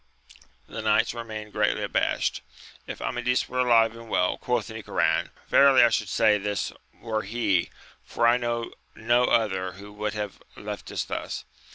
The knights remained greatly abashed : If Amadis were alive and well, quoth Nicoran, verily I should say this were he, for I know no other who would have left us thus.